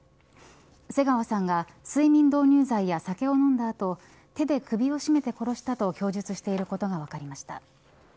瀬川さんが睡眠導入剤や酒を飲んだ後手で首を絞めて殺したと供述していることが分かりました。